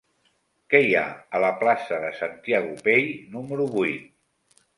Què hi ha a la plaça de Santiago Pey número vuit?